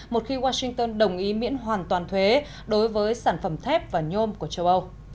một khi washington đồng ý miễn hoàn toàn thuế đối với sản phẩm thép và nhôm của châu âu